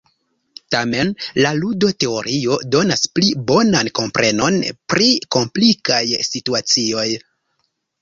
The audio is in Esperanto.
Tamen, la ludo-teorio donas pli bonan komprenon pri komplikaj situacioj.